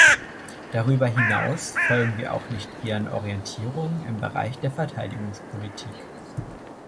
Darüber hinaus folgen wir auch nicht ihren Orientierungen im Bereich der Verteidigungspolitik.